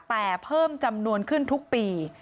แต่เพิ่มจำนวนขึ้นทุกปี